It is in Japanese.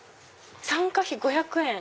参加費５００円！